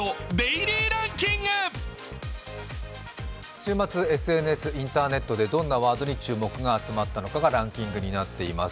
週末、ＳＮＳ、インターネットでどんなワードに注目が集まったのかがランキングになっています。